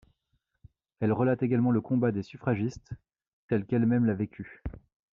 Elle relate également le combat des suffragistes tel qu'elle-même l'a vécue.